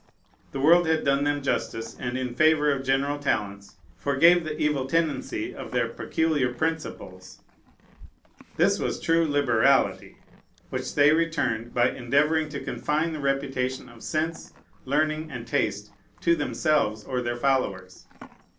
The world had done them justice, and in favor of general talents forgave the evil tendency of their peculiar principles. This was true liberality; which they returned by endeavoring to confine the reputation of sense, learning, and taste to themselves or their followers.